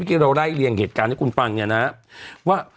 เมื่อกี้เราไร่ลี่ยงเหตุการณ์ให้คุณฟังเนี้ยนะฮะว่า